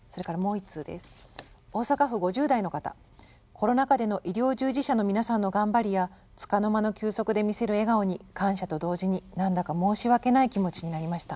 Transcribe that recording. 「コロナ禍での医療従事者の皆さんの頑張りやつかのまの休息で見せる笑顔に感謝と同時になんだか申し訳ない気持ちになりました。